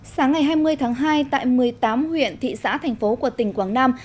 sáng ngày hai mươi tháng hai tại một mươi tám huyện thị xã thành phố của tỉnh quảng nam